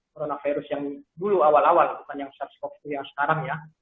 coronavirus yang dulu awal awal bukan yang sars cov dua yang sekarang ya